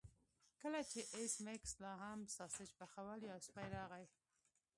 کله چې ایس میکس لاهم ساسج پخول یو سپی راغی